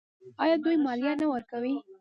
آیا دوی مالیه نه ورکوي؟